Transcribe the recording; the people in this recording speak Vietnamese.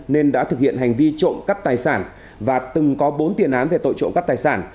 nên đã thực hiện hành vi trộm cắp tài sản và từng có bốn tiền án về tội trộm cắp tài sản